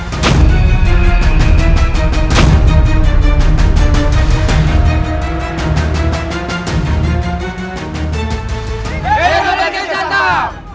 hidup raden kian santang